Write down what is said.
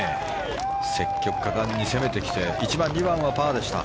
積極果敢に攻めてきて１番、２番はパーでした。